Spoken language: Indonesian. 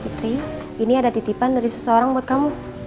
putri ini ada titipan dari seseorang buat kamu